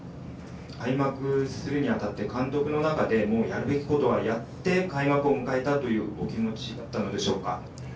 開幕するにあたって、監督の中で、もうやるべきことはやって、開幕を迎えたというお気持ちだったのでしょうか。